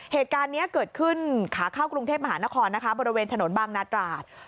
เหตุการณ์เนี่ยเกิดขึ้นขาข้าวกรุงเทพรมหานครบนระเวนถนนบางนาศราช